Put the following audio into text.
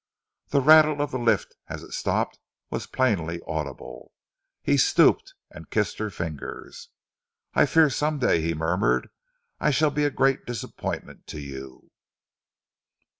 The rattle of the lift as it stopped was plainly audible. He stooped and kissed her fingers. "I fear some day," he murmured, "I shall be a great disappointment to you."